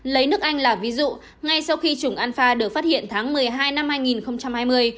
lấy nước anh là ví dụ ngay sau khi chủng anfa được phát hiện tháng một mươi hai năm hai nghìn hai mươi